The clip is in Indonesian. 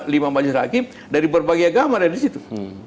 lima majlis rakib dari berbagai agama ada di situ